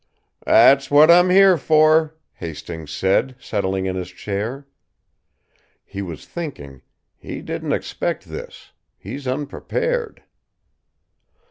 "That's what I'm here for," Hastings said, settling in his chair. He was thinking: "He didn't expect this. He's unprepared!"